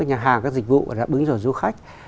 nhà hàng các dịch vụ đáp ứng cho du khách